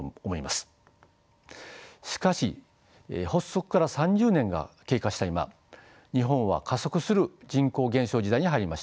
しかし発足から３０年が経過した今日本は加速する人口減少時代に入りました。